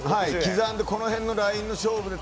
刻んでこの辺のラインの勝負で。